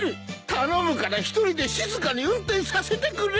頼むから１人で静かに運転させてくれ！